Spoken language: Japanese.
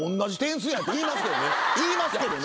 言いますけどね。